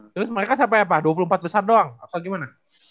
terus mereka siapa dua puluh empat besar doang atau gimana